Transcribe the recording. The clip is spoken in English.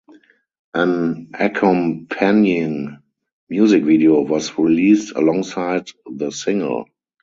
An accompanying music video was released alongside the single.